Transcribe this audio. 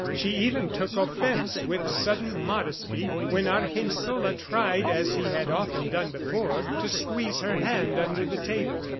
She even took offense, with sudden modesty, when Argensola tried as he had often done before, to squeeze her hand under the table.